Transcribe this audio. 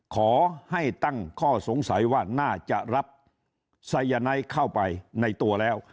ขอให้ตั้งข้อสงสัยว่าน่าจะรับสายไนท์เข้าไปในตัวแล้ว